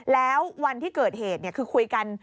แล้ววันที่เกิดเหตุคือคุยกัน